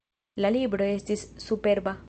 La libro estis superba.